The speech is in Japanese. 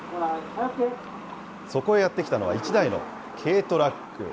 そこへやって来たのは、１台の軽トラック。